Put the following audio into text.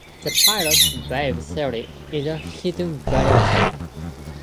The pilot wave theory is a hidden variable theory.